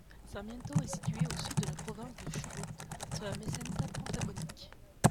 Sarmiento est située au sud de la province de Chubut, sur la meseta patagonique.